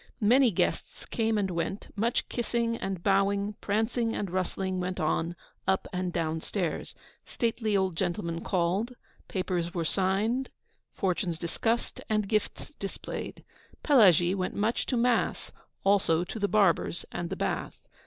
Many guests came and went, much kissing and bowing, prancing and rustling, went on, up and down stairs. Stately old gentlemen called, papers were signed, fortunes discussed, and gifts displayed. Pelagie went much to mass; also to the barber's and the bath.